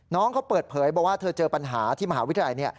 น้องเขาเปิดเผยบอกว่าเธอเจอปัญหาที่มหาวิทยาลัย